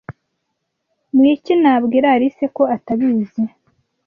Niki nabwira Alice ko atabizi?